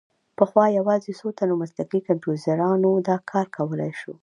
پخوا یوازې څو تنو مسلکي کمپوزرانو دا کار کولای شو.